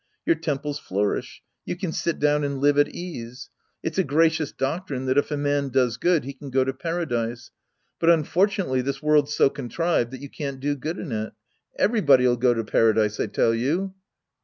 Your temples flourish. You can sit down and live at ease. It's a grai^ious doctrine that if a man does good he can go to Paradise. But un fortunately this world's so contrived that you can't do good in it. Everybody'U go to Paradise, I tell you.